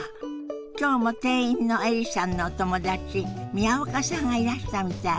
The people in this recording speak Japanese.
今日も店員のエリさんのお友達宮岡さんがいらしたみたい。